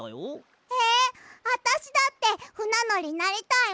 えっあたしだってふなのりなりたいもん！